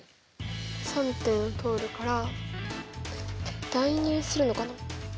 ３点を通るから代入するのかな？